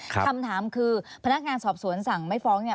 คำถามคือพนักงานสอบสวนสั่งไม่ฟ้องเนี่ย